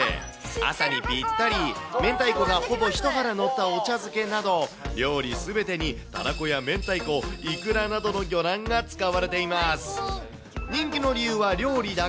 朝にぴったり、明太子がほぼ１腹のったお茶漬けなど料理すべてにタラコや明太子、イクラなどの魚卵が使われています。